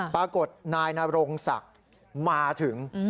ปรากฏนายนรงศักดิ์มาถึง